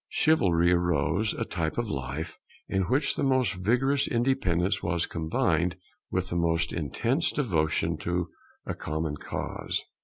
Chivalry arose, a type of life, in which the most vigorous independence was combined with the most intense devotion to a common cause.